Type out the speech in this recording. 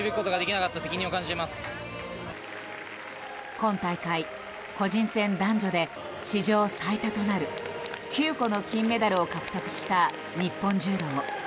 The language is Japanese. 今大会、個人戦男女で史上最多となる９個の金メダルを獲得した日本柔道。